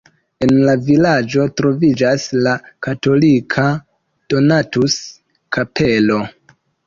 En la vilaĝo troviĝas la katolika Donatus-kapelo.